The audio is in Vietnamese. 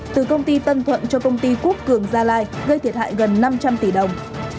từ công ty tân thuận cho công ty quốc cường gia lai gây thiệt hại gần năm trăm linh tỷ đồng